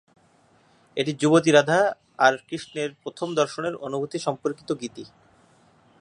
এটি যুবতী রাধা আর কৃষ্ণের প্রথম দর্শনের অনুভূতি সম্পর্কিত গীতি।